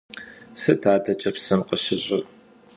Sıt adeç'e psım khışış'ır?